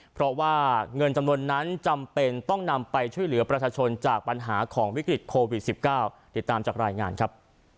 เพราะว่าเงินจำนวนนั้นจำเป็นต้องนำไปช่วยเหลือประชาชนจากปัญหาของวิกฤตโควิด๑๙ติดตามจากรายงานครับ